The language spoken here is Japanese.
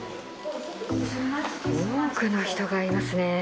多くの人がいますね。